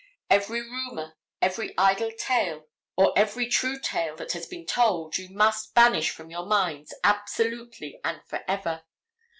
Every rumor, every idle tale or every true tale that has been told you must banish from your minds absolutely and forever.